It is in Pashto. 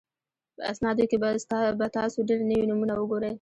په اسنادو کې به تاسو ډېر نوي نومونه وګورئ.